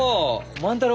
万太郎！